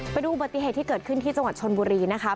ไปดูอุบัติเหตุที่เกิดขึ้นที่จังหวัดชนบุรีนะคะ